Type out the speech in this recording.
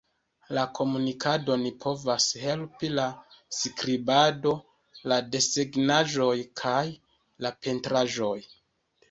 La komunikadon povas helpi la skribado, la desegnaĵoj kaj la pentraĵoj.